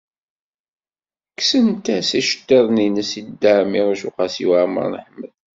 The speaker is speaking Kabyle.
Kksent-as iceḍḍiḍen-nnes i Dda Ɛmiiruc u Qasi Waɛmer n Ḥmed.